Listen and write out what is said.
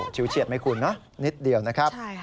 ชิวเฉียดไม่คุ้นเนอะนิดเดียวนะครับ